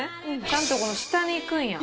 ちゃんとこの下にいくんや。